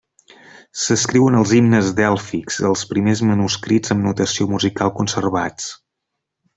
S'escriuen els himnes dèlfics, els primers manuscrits amb notació musical conservats.